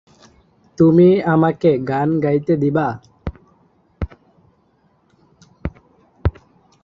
তুমি আমাকে গান গাইতে দিবে?